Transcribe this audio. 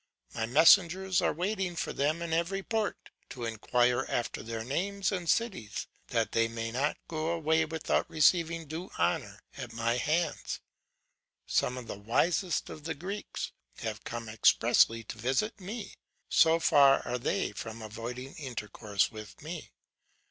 My messengers are waiting for them in every port, to inquire after their names and cities, that they may not go away without receiving due honour at my hands. Some the wisest of the Greeks have come expressly to visit me, so far are they from avoiding intercourse with me.